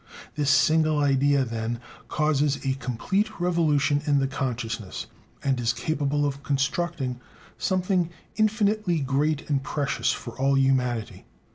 This single idea, then, causes a complete revolution in the consciousness, and is capable of constructing something infinitely great and precious for all humanity.